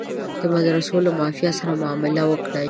د مدرسو له مافیا سره معامله وکړي.